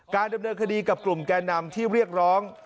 ดำเนินคดีกับกลุ่มแก่นำที่เรียกร้อง